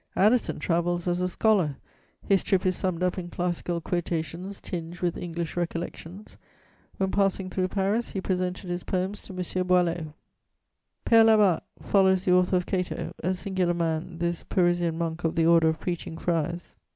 Addison travels as a "scholar," his trip is summed up in classical quotations tinged with English recollections; when passing through Paris, he presented his poems to M. Boileau. Père Labat follows the author of Cato: a singular man, this Parisian monk of the Order of Preaching Friars.